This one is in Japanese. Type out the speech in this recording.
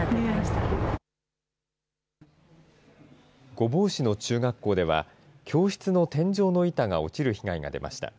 御坊市の中学校では、教室の天井の板が落ちる被害が出ました。